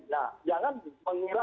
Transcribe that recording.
nah jangan mengira